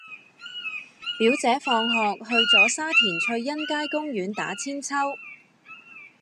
表姐放學去左沙田翠欣街公園打韆鞦